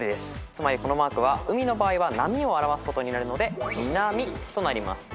つまりこのマークは海の場合は波を表すことになるので「みなみ」となります。